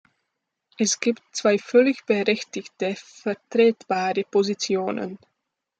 Es gibt zwei völlig berechtigte, vertretbare Positionen.